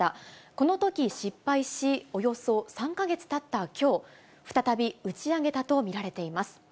このとき失敗し、およそ３か月たったきょう、再び打ち上げたと見られています。